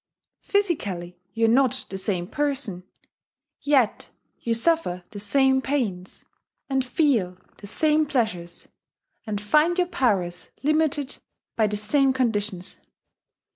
Physically you are not the same person: yet you suffer the same pains, and feel the same pleasures, and find your powers limited by the same conditions.